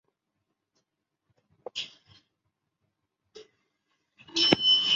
中国西藏是世界上盛产硼砂的地方之一。